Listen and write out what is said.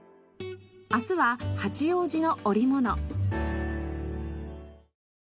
明日は八王子の織物。